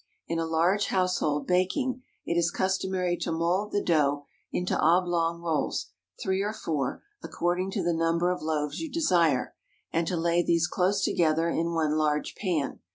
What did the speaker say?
In a large household baking, it is customary to mould the dough into oblong rolls, three or four, according to the number of loaves you desire, and to lay these close together in one large pan.